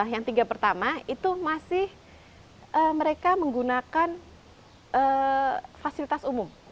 yang tiga pertama itu masih mereka menggunakan fasilitas umum